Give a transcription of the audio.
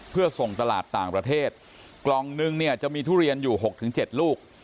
เพื่อส่งตลาดต่างประเทศกล่องนึงจะมีทุเรียนอยู่๖๗ลูก